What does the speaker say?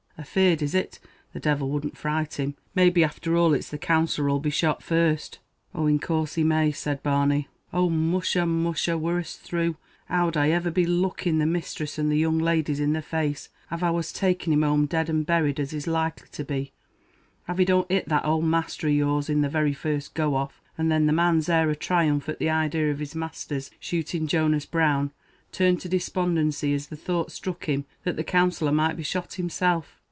"Afeard, is it! the divil wouldn't fright him. Maybe, after all, it's the Counsellor 'll be shot first." "Oh, in course he may," said Barney; "oh musha, musha, wirrasthrue, how'd I ever be looking the misthress and the young ladies in the face, av I was taking him home dead and buried as he's likely to be, av he don't hit that owld masther of yours in the very first go off;" and then the man's air of triumph at the idea of his master's shooting Jonas Brown, turned to despondency as the thought struck him that the Counsellor might be shot himself.